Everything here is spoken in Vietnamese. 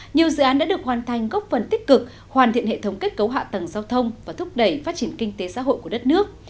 nhiều dự án đã được hoàn thành góp phần tích cực hoàn thiện hệ thống kết cấu hạ tầng giao thông và thúc đẩy phát triển kinh tế xã hội của đất nước